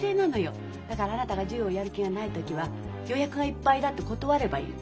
だからあなたが授業やる気がない時は「予約がいっぱいだ」って断ればいい。